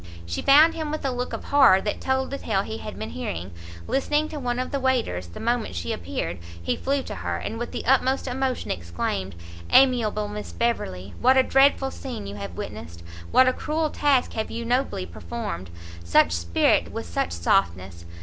She found him with a look of horror that told the tale he had been hearing, listening to one of the waiters; the moment she appeared, he flew to her, and with the utmost emotion exclaimed, "Amiable Miss Beverley! what a dreadful scene have you witnessed! what a cruel task have you nobly performed! such spirit with such softness!